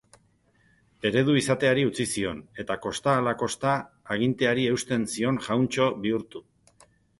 Eredu izateari utzi zion eta kosta ahala kosta aginteari eusten zion jauntxo bihurtu.